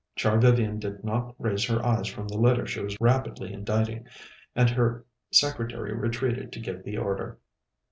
Char Vivian did not raise her eyes from the letter she was rapidly inditing, and her secretary retreated to give the order.